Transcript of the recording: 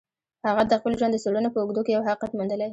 هغه د خپل ژوند د څېړنو په اوږدو کې يو حقيقت موندلی.